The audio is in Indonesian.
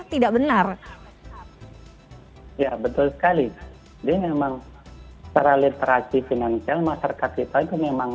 tidak benar ya betul sekali jadi memang secara literasi finansial masyarakat kita itu memang